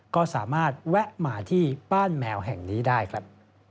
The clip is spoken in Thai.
ก็สามารถแวะมาที่บ้านแมวแห่งนี้ได้ครับ